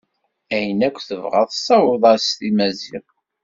Ayen akk tebɣa tessaweḍ-as-t i Maziɣ.